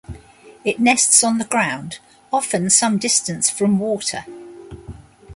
It nests on the ground, often some distance from water.